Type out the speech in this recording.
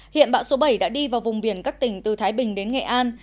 hiện bão số bảy đã đi vào vùng biển các tỉnh từ thái bình đến nghệ an